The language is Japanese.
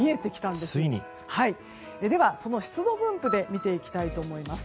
では、その湿度分布で見ていきたいと思います。